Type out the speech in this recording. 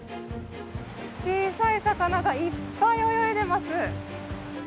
小さい魚がいっぱい泳いでいます。